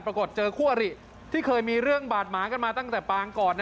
เจอคู่อริที่เคยมีเรื่องบาดหมากันมาตั้งแต่ปางก่อน